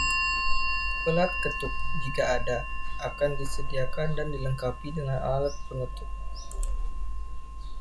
Pelat ketuk, jika ada, akan disediakan dan dilengkapi dengan alat pengetuk.